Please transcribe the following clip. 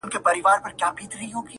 د کلي حوري په ټول کلي کي لمبې جوړي کړې؛